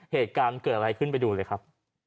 เหตุการณ์เกิดอะไรขึ้นไปดูเลยครับ